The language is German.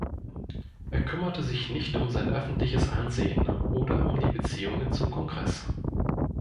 Er kümmerte sich nicht um sein öffentliches Ansehen oder um die Beziehungen zum Kongress.